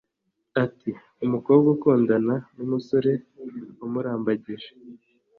Ati “Umukobwa akundana n’umusore wamurambagije